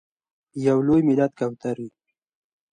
یو لوی ملت کوترې…